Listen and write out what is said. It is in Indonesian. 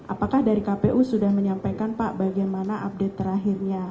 apakah dari kpu sudah menyampaikan pak bagaimana update terakhirnya